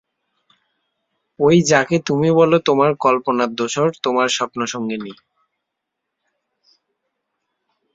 ঐ যাকে তুমি বল তোমার কল্পনার দোসর, তোমার স্বপ্নসঙ্গিনী!